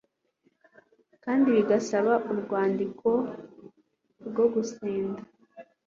kandi bigasaba urwandiko rwo gusenda